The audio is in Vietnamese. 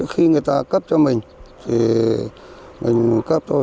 khi người ta cấp cho mình thì mình cấp thôi